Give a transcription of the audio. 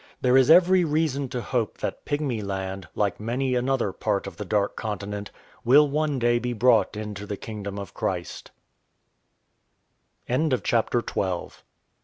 There is every reason to hope that Pygmy land, like many another part of the Dark Continent, will one day be brought into the Kingdom of Christ.